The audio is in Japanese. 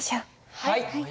はい。